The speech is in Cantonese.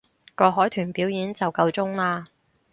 個海豚表演就夠鐘喇